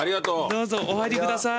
どうぞお入りください。